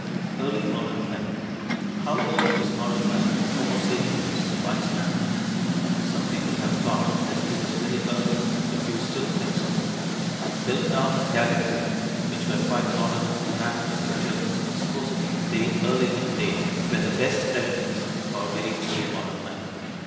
EARLY MODERN MEN How early is modern man (Homo sapiens), the "wise man"? Some people have thought that he was very early, a few still think so. Piltdown and Galley Hill, which were quite modern in anatomical appearance and supposedly very early in date, were the best "evidence" for very early modern men.